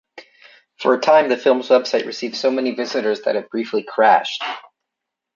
For a time, the film's website received so many visitors that it briefly crashed.